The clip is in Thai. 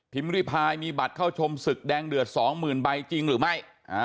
พิมพ์รีไพรมีบัตรเข้าชมศึกแดงเดือด๒หมื่นใบจริงหรือไม่